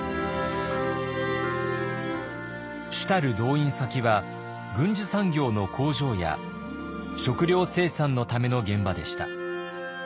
主たる動員先は軍需産業の工場や食糧生産のための現場でした。